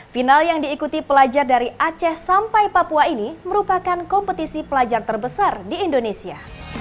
final yang diikuti pelajar dari aceh sampai papua ini merupakan kompetisi pelajar terbesar di indonesia